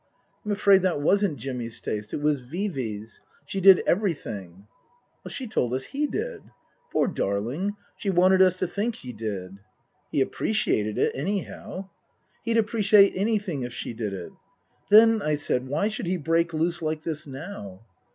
"I'm afraid that wasn't Jimmy's taste it was Vee Vee's. She did everything." " She told us he did." " Poor darling she wanted us to think he did." " He appreciated it, anyhow." " He'd appreciate anything if she did it." " Then," I said, " why should he break loose like this now